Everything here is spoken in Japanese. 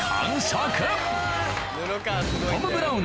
「トム・ブラウン」